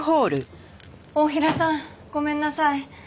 太平さんごめんなさい。